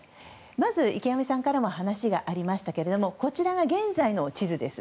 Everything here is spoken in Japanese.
まず、池上さんからも話がありましたがこちらが現在の地図です。